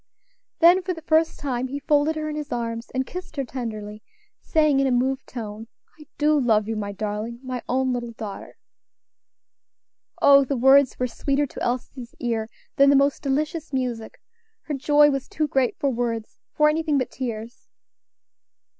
Then for the first time he folded her in his arms and kissed her tenderly, saying, in a moved tone, "I do love you, my darling, my own little daughter." Oh! the words were sweeter to Elsie's ear than the most delicious music! her joy was too great for words, for anything but tears.